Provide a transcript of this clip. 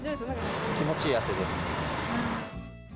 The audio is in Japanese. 気持ちいい汗です。